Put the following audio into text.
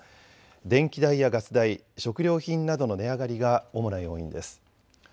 電気代やガス代、食料品などの値上がりが主な要因です。